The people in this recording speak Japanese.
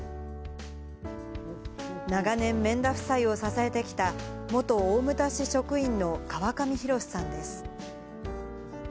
長年、免田夫妻を支えてきた、元大牟田市職員の川上洋さんです。